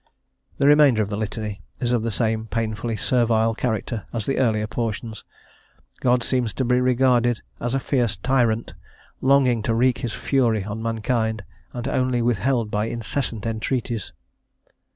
The remainder of the Litany is of the same painfully servile character as the earlier portions; God seems to be regarded as a fierce tyrant, longing to wreak His fury on mankind, and only withheld by incessant entreaties.